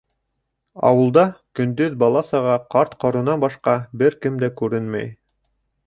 Ауылда көндөҙ бала-саға, ҡарт-ҡоронан башҡа бер кем дә күренмәй.